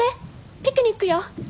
ピクニックよ！